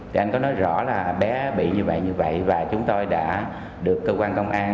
thì anh có nói rõ là bé bị như vậy như vậy và chúng tôi đã được cơ quan công an